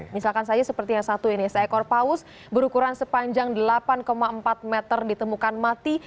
misalkan saja seperti yang satu ini seekor paus berukuran sepanjang delapan empat meter ditemukan mati